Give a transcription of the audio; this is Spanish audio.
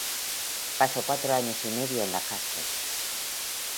Pasó cuatro años y medio en la cárcel.